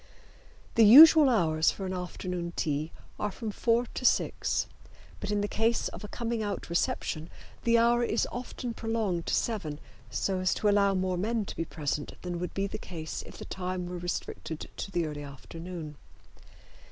The usual hours for an afternoon tea are from four to six, but in the case of a coming out reception the hour is often prolonged to seven so as to allow more men to be present than would be the case if the time were restricted to the early afternoon.